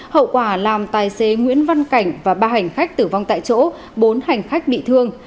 hậu quả làm tài xế nguyễn văn cảnh và ba hành khách tử vong tại chỗ bốn hành khách bị thương